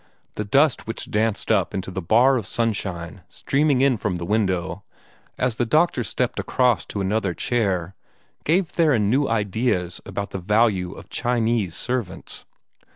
The dust which danced up into the bar of sunshine streaming in from the window, as the doctor stepped across to another chair, gave Theron new ideas about the value of Chinese servants.